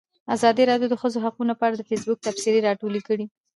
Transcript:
ازادي راډیو د د ښځو حقونه په اړه د فیسبوک تبصرې راټولې کړي.